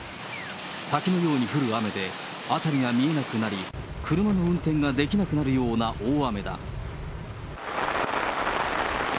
滝のように降る雨で辺りが見えなくなり、車の運転ができなくなるような大雨だ。